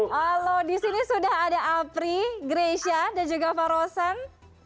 halo disini sudah ada apri greysia dan juga pak rosen